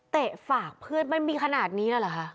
ฝากเพื่อนมันมีขนาดนี้แล้วเหรอคะ